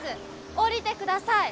下りてください！